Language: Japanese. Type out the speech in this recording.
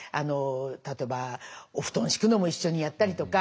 例えばお布団敷くのも一緒にやったりとか。